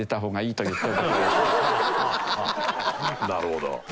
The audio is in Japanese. なるほど。